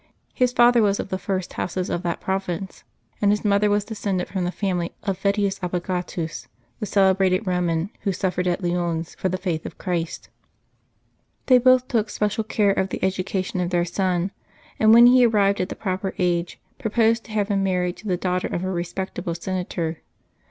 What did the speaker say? His father was of the first houses of that province, and his mother was descended from the family of Vettius Apagatus, the celebrated Eoman who suffered at juLi 2] LIVES OF TEE SAINTS 235 Lyons for the faith of Christ. They both took special care of the education of their son, and, when he arrived at a proper age, proposed to have him married to the daughter of a respectable senator.